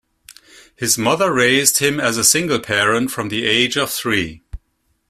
His mother raised him as a single parent from the age of three.